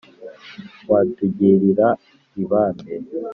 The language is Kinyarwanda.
watugirira ibambe